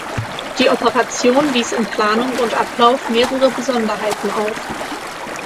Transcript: Die Operation wies in Planung und Ablauf mehrere Besonderheiten auf.